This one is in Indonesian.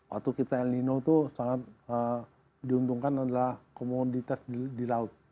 waktu kita el nino itu sangat diuntungkan adalah komoditas di laut